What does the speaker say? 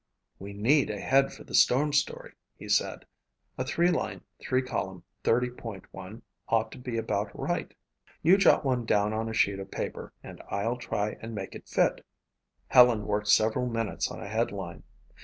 "We need a head for the storm story," he said. "A three line, three column 30 point one ought to be about right. You jot one down on a sheet of paper and I'll try and make it fit." Helen worked several minutes on a headline.